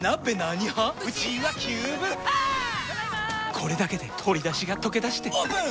これだけで鶏だしがとけだしてオープン！